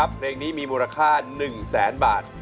เพลงนี้มีมูลค่า๑แสนบาท